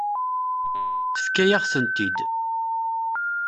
Tefka-yaɣ-tent-id.